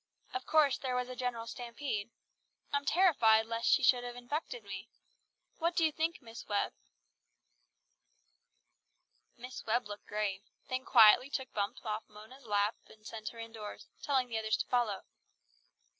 Of course there was a general stampede. I'm terrified lest she should have infected me. What do you think, Miss Webb?" Miss Webb looked grave, then quietly took Bumps off Mona's lap and sent her indoors, telling the others to follow.